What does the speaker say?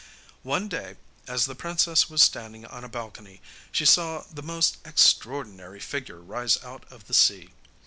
One day, as the princess was standing on a balcony, she saw the most extraordinary figure rise out of the sea.